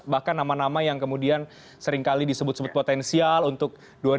bahkan nama nama yang kemudian seringkali disebut sebut potensial untuk dua ribu dua puluh